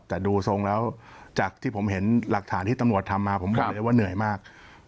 แต่ดูทรงแล้วจากที่ผมเห็นหลักฐานที่ตำรวจทำมาผมบอกเลยว่าเหนื่อยมาก